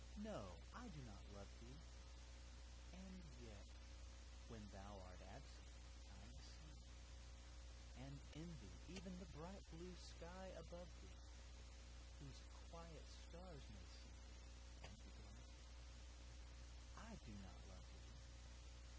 —no! I do not love thee! And yet when thou art absent I am sad; And envy even the bright blue sky above thee, Whose quiet stars may see thee and be glad. I do not love thee!